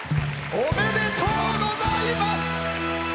おめでとうございます！